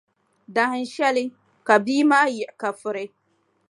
Dahinshɛli, ka bia maa yiɣi ka furi.